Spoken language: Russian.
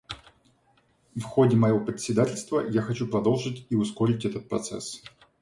В ходе моего председательства я хочу продолжить — и ускорить — этот процесс.